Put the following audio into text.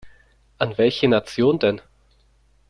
An welche Nation denn?